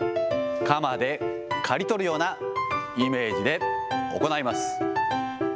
鎌で刈り取るようなイメージで行います。